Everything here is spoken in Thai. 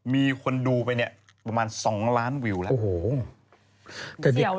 มีคนดูไปเนี่ยประมาณ๒ล้านวิวแล้ว